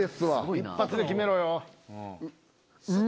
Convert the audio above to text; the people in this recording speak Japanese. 一発で決めろよ。